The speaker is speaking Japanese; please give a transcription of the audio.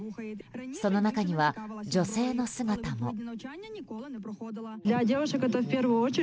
その中には女性の姿も。